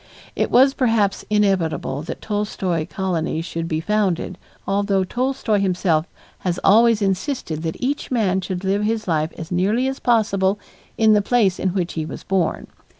It was perhaps inevitable that Tolstoy colonies should be founded, although Tolstoy himself has always insisted that each man should live his life as nearly as possible in the place in which he was born.